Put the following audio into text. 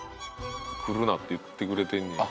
来るなって言ってくれてんねや。